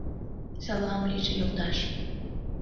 — Салам лийже, йолташ!